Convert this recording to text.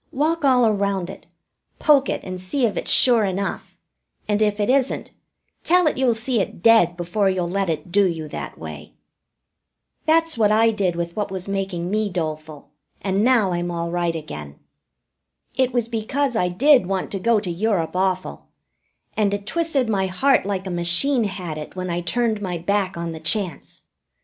Walk all around it, poke it and see if it's sure enough, and, if it isn't, tell it you'll see it dead before you'll let it do you that way. That's what I did with what was making me doleful, and now I'm all right again. It was because I did want to go to Europe awful, and it twisted my heart like a machine had it when I turned my back on the chance.